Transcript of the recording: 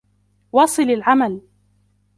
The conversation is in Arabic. واصِل العمل.